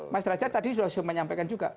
mas derajat tadi sudah menyampaikan juga